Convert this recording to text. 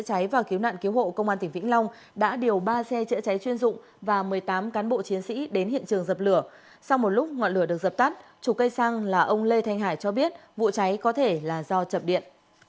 sau một lúc ngọn lửa được dập tắt chủ cây xăng là ông lê thanh hải cho biết vụ cháy có thể là do chậm điện